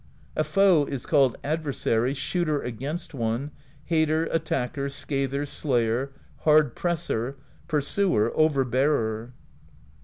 A foe is called Adversary, Shooter Against One, Hater, Attacker, Scather, Slayer, Hard Presser, Pursuer, Overbearer.